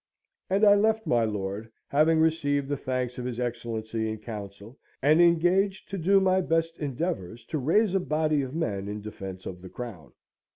And I left my lord, having received the thanks of his Excellency in Council, and engaged to do my best endeavours to raise a body of men in defence of the Crown.